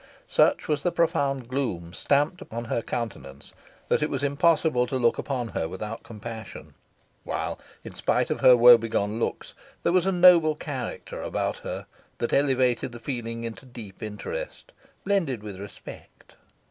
Such was the profound gloom stamped upon her countenance, that it was impossible to look upon her without compassion; while, in spite of her wo begone looks, there was a noble character about her that elevated the feeling into deep interest, blended with respect.